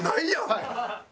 はい。